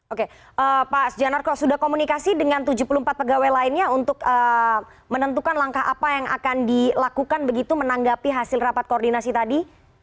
oke pak sujanarko sudah komunikasi dengan tujuh puluh empat pegawai lainnya untuk menentukan langkah apa yang akan dilakukan begitu menanggapi hasil rapat koordinasi tadi